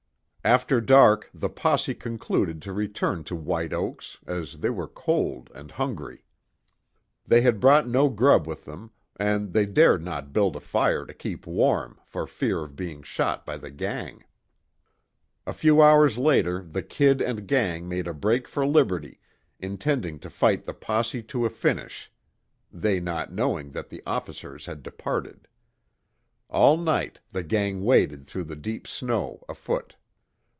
After dark the posse concluded to return to White Oaks, as they were cold and hungry. They had brought no grub with them, and they dared not build a fire to keep warm, for fear of being shot by the gang. A few hours later the "Kid" and gang made a break for liberty, intending to fight the posse to a finish, they not knowing that the officers had departed. All night the gang waded through the deep snow, afoot.